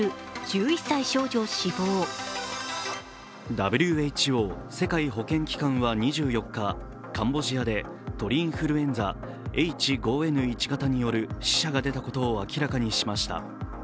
ＷＨＯ＝世界保健機関は２４日、カンボジアで鳥インフルエンザＨ５Ｎ１型による死者が出たことを明らかにしました。